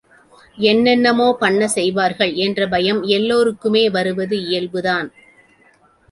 என்னென்னமோ பண்ணச் செய்வார்கள் என்ற பயம் எல்லோருக்குமே வருவது இயல்புதான்.